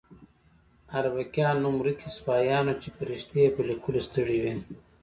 اربکیان نوم ورکي سپاهیان وو چې فرښتې یې په لیکلو ستړې وي.